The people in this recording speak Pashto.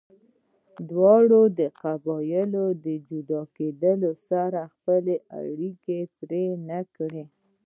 دواړو قبیلو د جلا کیدو سره خپلې اړیکې پرې نه کړې.